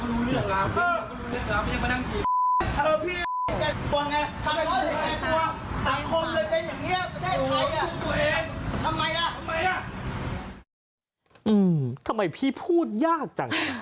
ทำไมพี่พูดยากจัง